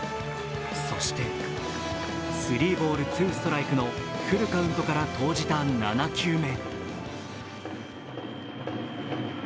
そしてスリーボールツーストライクのフルカウントから投じた７球目。